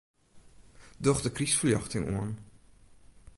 Doch de krystferljochting oan.